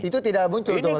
itu tidak muncul tuhan